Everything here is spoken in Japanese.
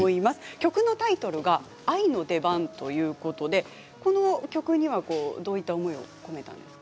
曲のタイトルが「愛の出番」ということでこの曲には、どういった思いを込めたんですか？